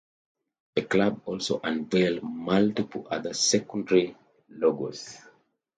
The club also unveiled multiple other secondary logos.